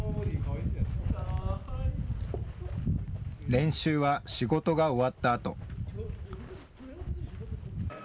練習は仕事が終わったあと。